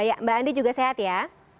baik baik mbak andi juga sehat ya